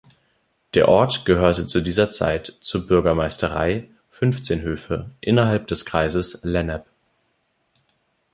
Der Ort gehörte zu dieser Zeit zur Bürgermeisterei Fünfzehnhöfe innerhalb des Kreises Lennep.